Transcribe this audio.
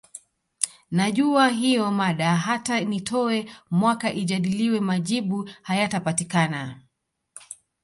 Najua hiyo mada hata nitowe mwaka ijadiliwe majibu hayatapatikana